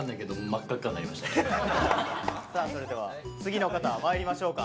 さあそれでは次の方まいりましょうか。